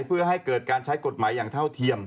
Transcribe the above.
เพื่อให้เกิดการใช้กฎหมายอย่างเท่าเทียม